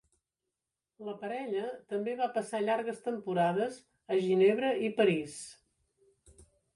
La parella també va passar llargues temporades a Ginebra i París.